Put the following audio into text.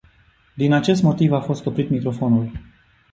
Din acest motiv a fost oprit microfonul.